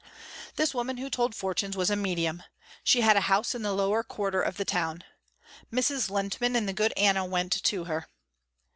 This woman who told fortunes was a medium. She had a house in the lower quarter of the town. Mrs. Lehntman and the good Anna went to her.